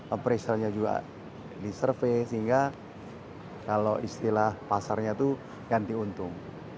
appraisalnya juga disurvey sehingga kalau istilah pasarnya itu ganti untung